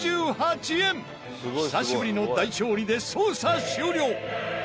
久しぶりの大勝利で捜査終了！